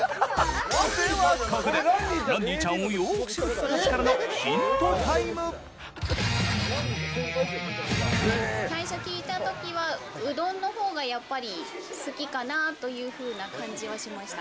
それではここでランディちゃんをよーく知る人たちからのヒントタ最初聞いたときは、うどんのほうがやっぱり好きかなというふうな感じはしました。